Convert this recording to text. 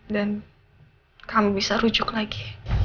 dan kamu bisa rujuk lagi